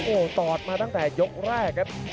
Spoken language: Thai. โอ้โหตอดมาตั้งแต่ยกแรกครับ